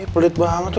pelit banget tuh